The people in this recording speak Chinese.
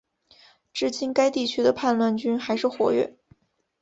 至今该地区的叛乱军还是活跃。